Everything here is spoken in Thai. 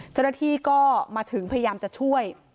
เจ้าหน้าที่ก็มาถึงพยายามจะช่วย